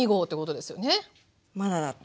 まだだった。